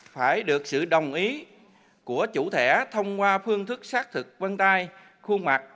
phải được sự đồng ý của chủ thẻ thông qua phương thức xác thực vân tay khuôn mặt